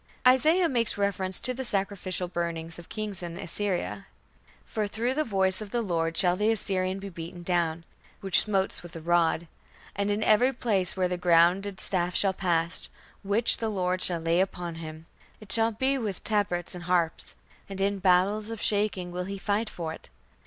Isaiah makes reference to the sacrificial burning of kings in Assyria: "For through the voice of the Lord shall the Assyrian be beaten down, which smote with a rod. And in every place where the grounded staff shall pass, which the Lord shall lay upon him, it shall be with tabrets and harps: and in battles of shaking will he fight with it.